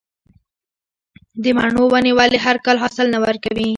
د مڼو ونې ولې هر کال حاصل نه ورکوي؟